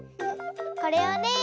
これをね